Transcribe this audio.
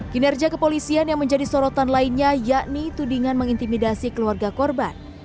kinerja kepolisian yang menjadi sorotan lainnya yakni tudingan mengintimidasi keluarga korban